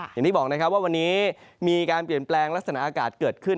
อย่างที่บอกนะครับว่าวันนี้มีการเปลี่ยนแปลงลักษณะอากาศเกิดขึ้น